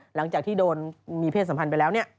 หลังจากที่โดนมีเพศสัมพันธ์ไปแล้วเนี่ย